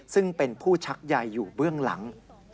ซึ่งเป็นผู้ชักใยอยู่เบื้องหลัง